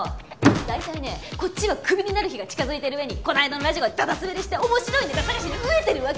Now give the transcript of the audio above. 大体ねこっちはクビになる日が近づいてる上にこの間のラジオがダダ滑りして面白いネタ探しに飢えてるわけよ。